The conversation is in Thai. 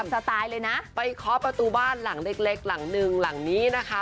ไปเคาะประตูบ้านหลังเล็กหลังนึงหลังนี้นะคะ